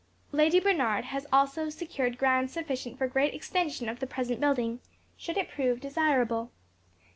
Lady Bernard has also secured ground sufficient for great extension of the present building, should it prove desirable.